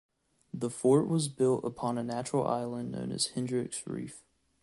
The fort was built upon a natural island known as Hendrick's Reef.